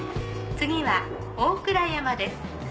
次は大倉山です。